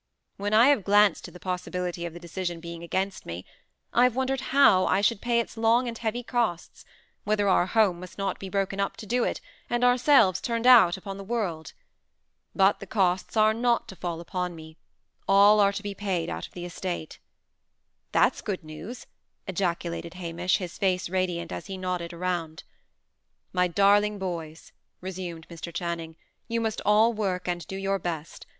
"When I have glanced to the possibility of the decision being against me, I have wondered how I should pay its long and heavy costs; whether our home must not be broken up to do it, and ourselves turned out upon the world. But the costs are not to fall upon me; all are to be paid out of the estate." "That's good news!" ejaculated Hamish, his face radiant, as he nodded around. "My darling boys," resumed Mr. Channing, "you must all work and do your best.